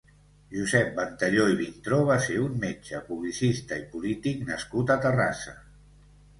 Josep Ventalló i Vintró va ser un metge, publicista i polític nascut a Terrassa.